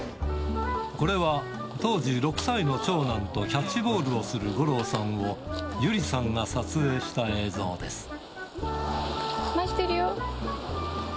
これは当時６歳の長男とキャッチボールをする五郎さんを、回してるよ。